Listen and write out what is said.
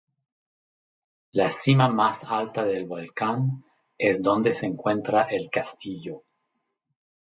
La cima más alta del volcán, es donde se encuentra el castillo.